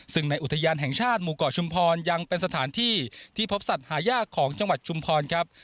ซึ่งในอุทยานแห่งชาติหมู่เกาะชุมพรยังเป็นสถานที่ที่พบสัตว์หายากของจังหวัดชุมพรครับ